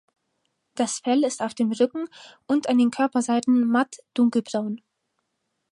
Das Fell ist auf dem Rücken und an den Körperseiten matt dunkelbraun.